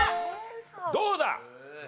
どうだ？